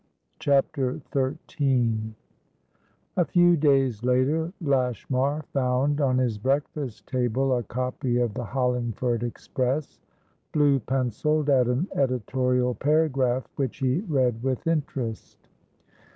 CHAPTER XIII A few days later, Lashmar found on his breakfast table a copy of the Hollingford Express, blue pencilled at an editorial paragraph which he read with interest.